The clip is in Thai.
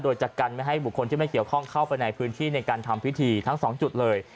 โดยจะกันไม่ให้บุคคลที่ไม่เกี่ยวข้องเข้าไปในพื้นที่ในการทำพิธีทั้งสองจุดเลย